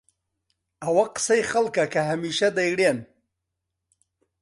ئەوە قسەی خەڵکە کە هەمیشە دەیڵێن.